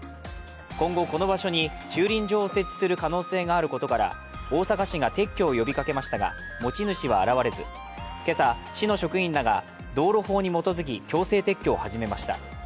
今後、この場所に駐輪場を設置する可能性があることから大阪市が撤去を呼びかけましたが持ち主は現れず、今朝、市の職員らが道路法に基づき、強制撤去を始めました。